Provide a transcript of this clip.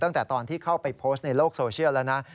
ตั้งแต่ตอนที่เข้าไปโพสต์ในโลกโซเชียลแล้วนะ